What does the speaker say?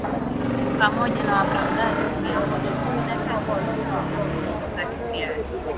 pamoja na wapagazi mia moja kumi na tatu Walikuwa na bunduki za kisasa